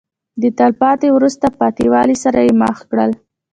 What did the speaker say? د تلپاتې وروسته پاتې والي سره یې مخ کړل.